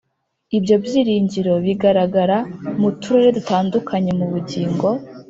ibyo byiringiro bigaragara mu turere dutandukanye mu bugingo